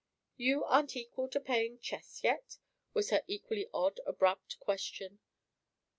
"You aren't equal to playing chess yet?" was her equally odd abrupt question.